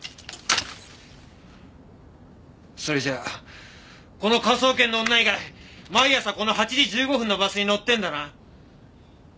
それじゃあこの科捜研の女以外毎朝この８時１５分のバスに乗ってんだな？